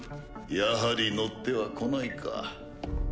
やはり乗ってはこないか。